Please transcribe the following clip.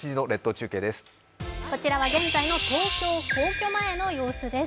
こちらは現在の東京、皇居前の様子です。